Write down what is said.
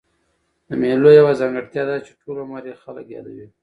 د مېلو یوه ځانګړتیا دا ده، چي ټول عمر ئې خلک يادوي.